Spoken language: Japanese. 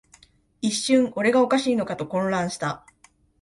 一瞬、俺がおかしいのかと混乱した